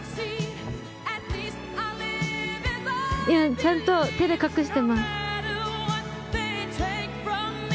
今ちゃんと手で隠してます。